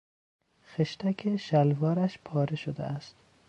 خشتک شلوارش پاره شده است.